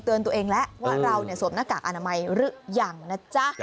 ตัวเองแล้วว่าเราสวมหน้ากากอนามัยหรือยังนะจ๊ะ